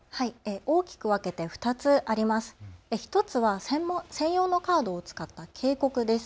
大きく分けて２つあります。